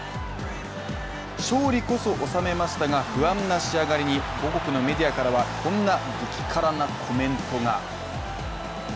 勝利こそ収めましたが不安な仕上がりに母国のメディアからはこんな激辛なコメントが。